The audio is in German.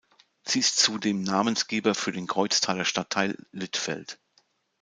Sie ist zudem Namensgeber für den Kreuztaler Stadtteil Littfeld.